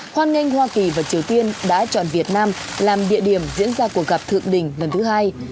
hoan nghênh hoa kỳ và triều tiên đã chọn việt nam làm địa điểm diễn ra cuộc gặp thượng đỉnh lần thứ hai